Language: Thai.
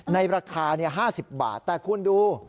ในราคา๕๐บาทแต่คุณดู